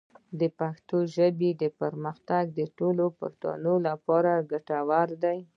د پښتو ژبې پرمختګ د ټولو پښتنو لپاره ګټور دی.